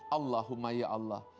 allahumma ya allah